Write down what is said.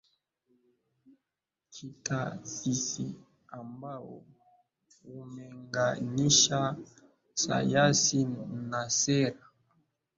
kitaasisi ambao umeunganisha sayansi na sera